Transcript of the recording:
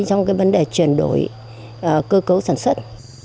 trong vấn đề chuyển đổi cơ cấu sản xuất